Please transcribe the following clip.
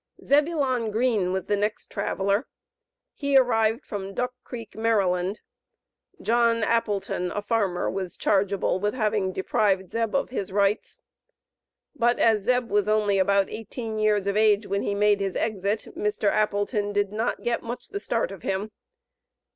Zebulon Green was the next traveler. He arrived from Duck Creek, Md. John Appleton, a farmer, was chargeable with having deprived Zeb of his rights. But, as Zeb was only about eighteen years of age when he made his exit, Mr. Appleton did not get much the start of him.